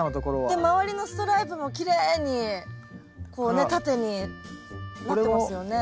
で周りのストライプもきれいにこうね縦になってますよね。